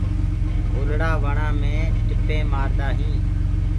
ڀولڙآ وڻآ مينٚ ٽِپينٚ مآردآ هينٚ۔